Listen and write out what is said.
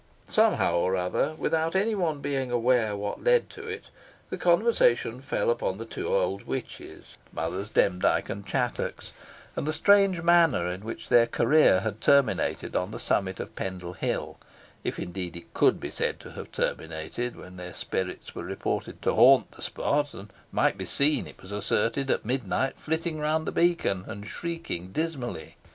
Somehow or other, without any one being aware what led to it the conversation fell upon the two old witches, Mothers Demdike and Chattox, and the strange manner in which their career had terminated on the summit of Pendle Hill if, indeed it could be said to have terminated, when their spirits were reported to haunt the spot, and might be seen, it was asserted, at midnight, flitting round the beacon, and shrieking dismally.